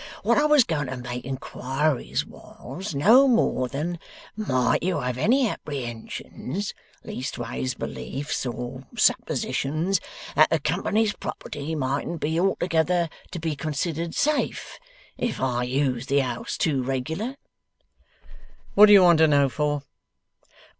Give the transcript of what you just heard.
What I was going to make inquiries was no more than, might you have any apprehensions leastways beliefs or suppositions that the company's property mightn't be altogether to be considered safe, if I used the house too regular?' 'What do you want to know for?